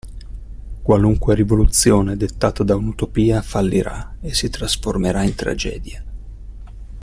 Qualunque rivoluzione dettata da un'utopia fallirà e si trasformerà in tragedia.